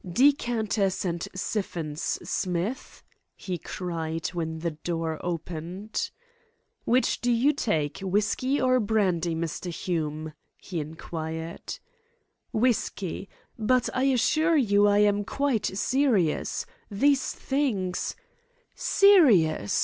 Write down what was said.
"Decanters and syphons, Smith," he cried, when the door opened. "Which do you take, whisky or brandy, Mr. Hume?" he inquired. "Whisky. But I assure you I am quite serious. These things " "Serious!